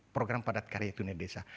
program padat karya tunai desa